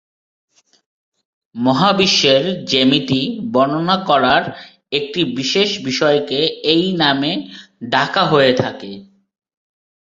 মহাবিশ্বের জ্যামিতি বর্ণনা করার একটি বিশেষ বিষয়কে এই নামে ডাকা হয়ে থাকে।